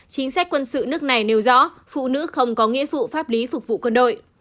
chính sách quân sự nước này nêu rõ phụ nữ không có nghĩa vụ pháp lý phục vụ quân đội